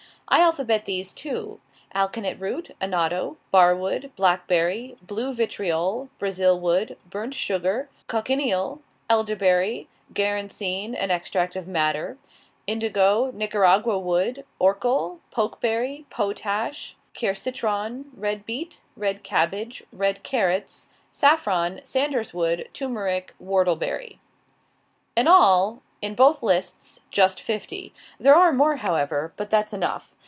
I alphabet these, too: alkanet root, annatto, barwood, blackberry, blue vitriol, brazil wood, burnt sugar, cochineal, elderberry, garancine (an extract of madder), indigo, Nicaragua wood, orchil, pokeberry, potash, quercitron, red beet, red cabbage, red carrots, saffron, sanders wood, turmeric, whortleberry. In all, in both lists, just fifty. There are more, however. But that's enough.